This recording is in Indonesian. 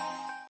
aku sudah lebih